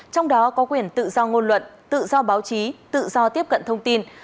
trong đó có quyền tự do ngôn luận tự do báo chí tự do tiếp cận thông tin